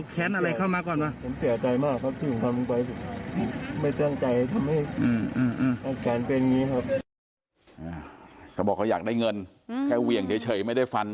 เขาบอกเขาอยากได้เงินแค่เหวี่ยงเฉยไม่ได้ฟัน